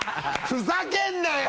ふざけんなよ！